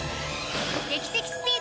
劇的スピード！